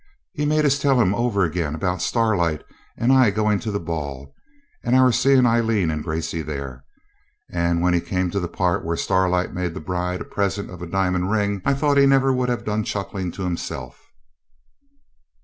He made us tell him over again about Starlight and I going to the ball, and our seeing Aileen and Gracey there; and when he came to the part where Starlight made the bride a present of a diamond ring I thought he never would have done chuckling to himself.